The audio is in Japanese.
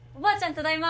ただいま。